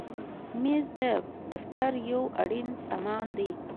مېز د دفتر یو اړین سامان دی.